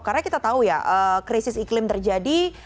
karena kita tahu ya krisis iklim terjadi